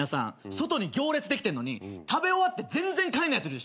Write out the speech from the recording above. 外に行列できてんのに食べ終わって全然帰んないやついるでしょ。